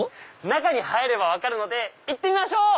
中に入れば分かるので行ってみましょう！